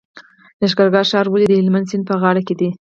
لښکرګاه ښار ولې د هلمند سیند په غاړه دی؟